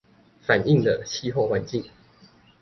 反映的氣候環境